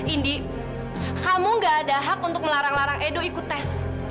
indi kamu gak ada hak untuk melarang larang edo ikut tes